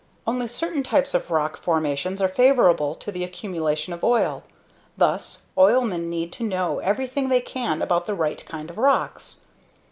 Only certain types of rock formations are favorable to the accumulation of oil. Thus, oilmen need to know everything they can about the right kind of rocks.